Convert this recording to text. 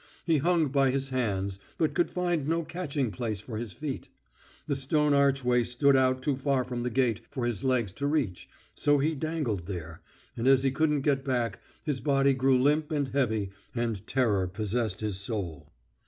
He hung by his hands, but could find no catching place for his feet. The stone archway stood out too far from the gate for his legs to reach, so he dangled there, and as he couldn't get back, his body grew limp and heavy, and terror possessed his soul.